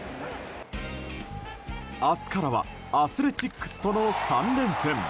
明日からはアスレチックスとの３連戦。